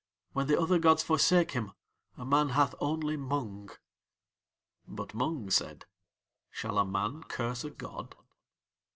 When the other gods forsake him a man hath only Mung." But Mung said: "Shall a man curse a god?"